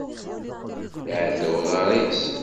Iɛedda uḍar-is.